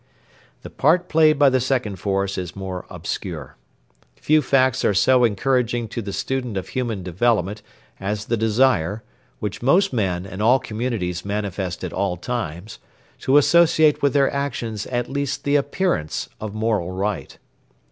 The part played by the second force is more obscure. Few facts are so encouraging to the student of human development as the desire, which most men and all communities manifest at all times, to associate with their actions at least the appearance of moral right.